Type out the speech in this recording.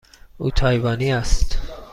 او تایوانی است.